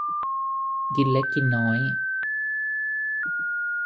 กินเล็กกินน้อย